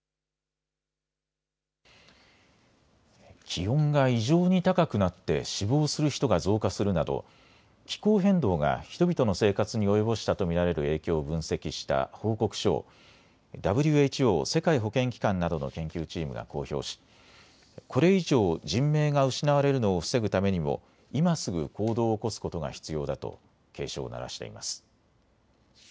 気温が異常に高くなって死亡する人が増加するなど気候変動が人々の生活に及ぼしたと見られる影響を分析した報告書をＷＨＯ・世界保健機関などの研究チームが公表しこれ以上、人命が失われるのを防ぐためにも今すぐ行動を起こすことが必要だと警鐘を鳴らしています。